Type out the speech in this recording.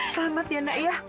selamat ya nak ya